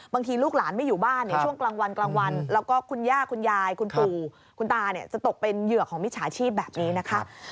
ลูกหลานไม่อยู่บ้านในช่วงกลางวันกลางวันแล้วก็คุณย่าคุณยายคุณปู่คุณตาเนี่ยจะตกเป็นเหยื่อของมิจฉาชีพแบบนี้นะคะ